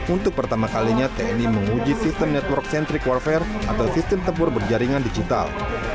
untuk pertama kalinya tni menguji sistem network centric warfare atau sistem tempur berjaringan digital